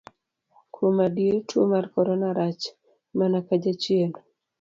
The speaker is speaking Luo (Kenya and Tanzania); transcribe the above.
Kuom adier, tuo mar korona rach mana ka jachien.